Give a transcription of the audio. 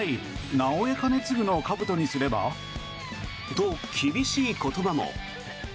と、厳しい言葉も。